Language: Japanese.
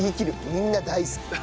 みんな大好き。